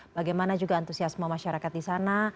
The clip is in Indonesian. bagaimana juga antusiasme masyarakat di sana